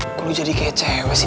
ian kok lu jadi kayak cewek sih